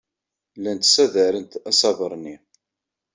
Llant ssadarent asaber-nni.